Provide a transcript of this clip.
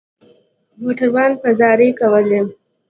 موټروان به زارۍ کولې.